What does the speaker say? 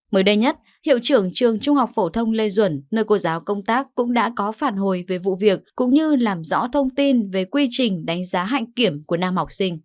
mới đây nhất hiệu trưởng trường trung học phổ thông lê duẩn nơi cô giáo công tác cũng đã có phản hồi về vụ việc cũng như làm rõ thông tin về quy trình đánh giá hạnh kiểm của nam học sinh